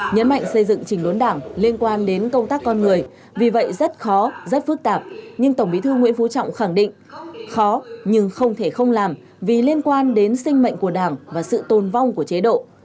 nhấn mạnh xây dựng trình đốn đảng liên quan đến công tác con người vì vậy rất khó rất phức tạp nhưng tổng bí thư nguyễn phú trọng khẳng định khó nhưng không thể không làm vì liên quan đến sinh mệnh của đảng và sự tôn vong của chế độ